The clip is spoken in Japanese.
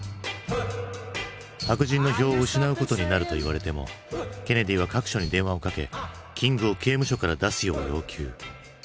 白人の票を失うことになるといわれてもケネディは各所に電話をかけキングを刑務所から出すよう要求。